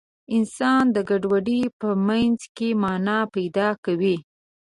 انسان د ګډوډۍ په منځ کې مانا پیدا کوي.